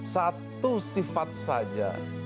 satu sifat saja